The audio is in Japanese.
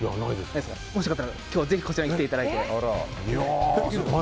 もしよかったら今日はぜひこちらに来ていただいて。